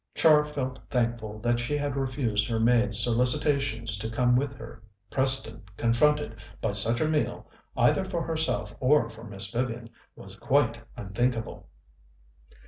Char felt thankful that she had refused her maid's solicitations to come with her. Preston confronted by such a meal, either for herself or for Miss Vivian, was quite unthinkable.